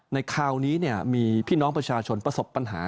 คราวนี้มีพี่น้องประชาชนประสบปัญหา